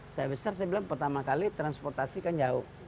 saya besar saya bilang pertama kali transportasi kan jauh